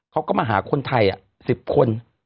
เขาก็มาหาคนไทย๑๐คน